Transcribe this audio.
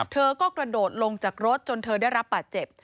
เธอก็กระโดดลงจากรถจนเธอได้รับบาดเจ็บ